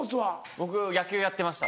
僕野球やってました。